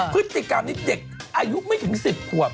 พฤติกรรมนี้เด็กอายุไม่ถึง๑๐ขวบ